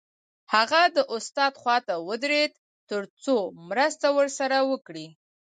هغه د استاد خواته ودرېد تر څو مرسته ورسره وکړي